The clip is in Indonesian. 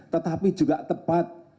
tetapi juga tepat